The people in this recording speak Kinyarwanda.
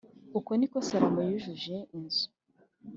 Uko ni ko Salomo yujuje inzu